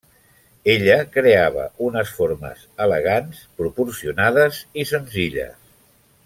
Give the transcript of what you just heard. Ella creava unes formes elegants i proporcionades i senzilles.